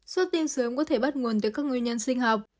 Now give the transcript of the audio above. sốt tinh sớm có thể bắt nguồn từ các nguyên nhân sinh học